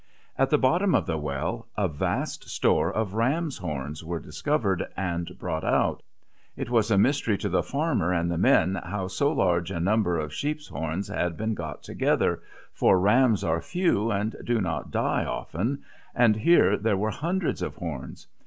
At the bottom of the well a vast store of rams' horns was discovered and brought out; and it was a mystery to the fanner and the men how so large a number of sheep's horns had been got together; for rams are few and do not die often, and here there were hundreds of horns.